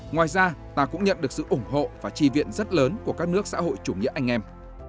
ngoài ra ta cũng nhận được sự ủng hộ và trì viện rất lớn của các nước xã hội chủ nghĩa anh em